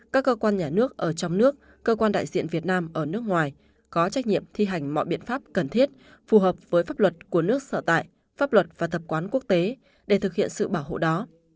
các cơ quan nhà nước ở trong nước cơ quan đại diện việt nam ở nước ngoài có trách nhiệm thi hành mọi biện pháp cần thiết phù hợp với pháp luật của nước sở tại pháp luật và tập quán quốc tế để thực hiện sự bảo hộ đó